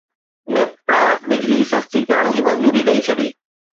نيپرا بجلي سستي ڪرڻ جي منظوري ڏئي ڇڏي